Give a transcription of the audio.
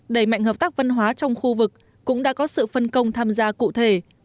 đẩy mạnh hợp tác văn hóa trong khu vực cũng đã có sự phân công tham gia cụ thể